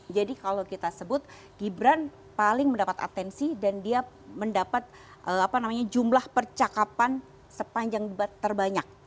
jadi kalau kita sebut gibran paling mendapat atensi dan dia mendapat jumlah percakapan sepanjang debat terbanyak